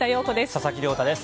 佐々木亮太です。